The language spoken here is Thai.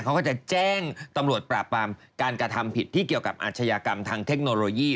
เขาก็จะแจ้งตำรวจปราบปรามการกระทำผิดที่เกี่ยวกับอาชญากรรมทางเทคโนโลยี